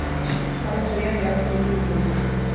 Talde zuriak irabazi ditu hiru puntuak.